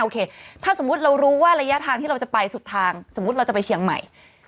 ถ้าสมมุติเรารู้ว่าระยะทางที่เราจะไปสุดทางสมมุติเราจะไปเชียงใหม่